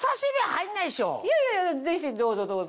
いやいやぜひどうぞどうぞ。